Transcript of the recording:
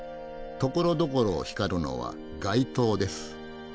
ところどころ光るのは街灯です。